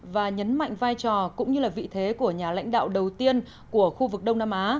và nhấn mạnh vai trò cũng như vị thế của nhà lãnh đạo đầu tiên của khu vực đông nam á